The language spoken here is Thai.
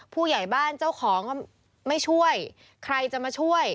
ผู้ใหญ่บ้านเจ้าของไม่ช่วยใครจะมาช่วย